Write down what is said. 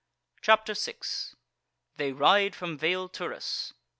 CHAPTER 6 They Ride From Vale Turris.